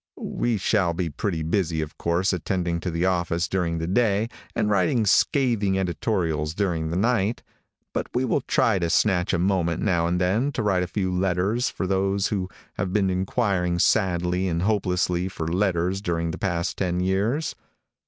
We shall be pretty busy, of course, attending to the office during the day, and writing scathing editorials during the night, but we will try to snatch a moment now and then to write a few letters for those who have been inquiring sadly and hopelessly for letters during the past ten years.